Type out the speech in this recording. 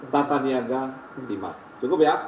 perniagaan timah cukup ya